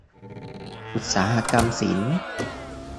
อุตสาหกรรมศิลป์